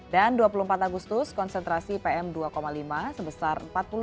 dan dua puluh empat agustus konsentrasi pm dua lima sebesar empat puluh tujuh